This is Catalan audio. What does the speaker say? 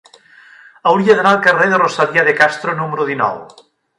Hauria d'anar al carrer de Rosalía de Castro número dinou.